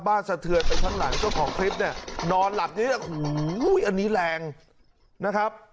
สะเทือนไปชั้นหลังเจ้าของคลิปเนี่ยนอนหลับเนี่ยโอ้โหอันนี้แรงนะครับ